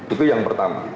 itu yang pertama